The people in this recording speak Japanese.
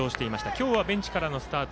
今日はベンチからのスタート。